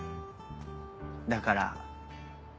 だから。